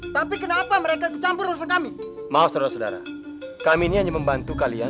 tidak apa apa ada anak buah saya